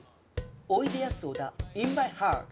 おいでやす小田インマイハート。